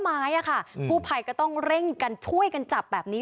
ไม้อ่ะค่ะผู้ภัยก็ต้องเร่งกันช่วยกันจับแบบนี้